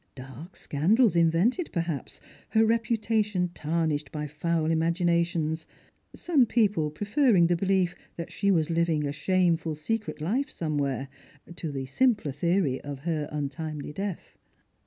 Dark scandals invented perhaps ; her reputation tarnished by foul imaginations. Some people preferring the belief that she was living a shameful seci'et life somewhere, to the simpler theory of her untimely death.